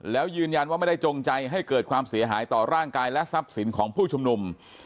แล้วยืนยันว่าไม่ได้จงใจให้เกิดความเสียหายต่อร่างกายและทรัพย์สินของผู้ชุมนุม